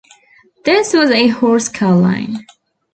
This was a horse car line.